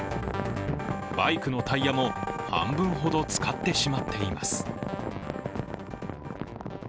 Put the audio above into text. バイクのタイヤも半分ほどつかってしまっています。